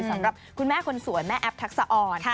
สำหรับคุณแม่คนสวยแม่แอฟทักษะอ่อน